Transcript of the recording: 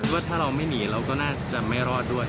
ว่าถ้าเราไม่หนีเราก็น่าจะไม่รอดด้วย